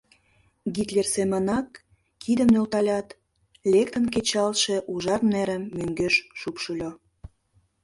Гитлер семынак кидым нӧлталят, лектын кечалтше ужар нерым мӧҥгеш шупшыльо.